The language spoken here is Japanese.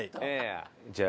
じゃあ。